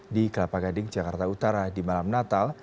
di kelapa gading jakarta utara di malam natal